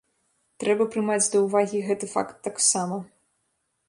Трэба прымаць да ўвагі гэты факт таксама.